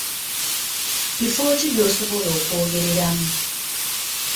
Bifo ki by’osobola okwogereramu